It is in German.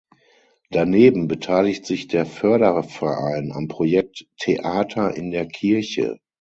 Daneben beteiligt sich der Förderverein am Projekt "Theater in der Kirche".